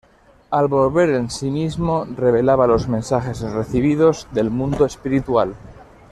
Al volver en sí mismo, revelaba los mensajes recibidos del mundo espiritual.